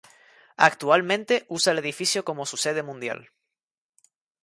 Actualmente usa el edificio como su sede mundial.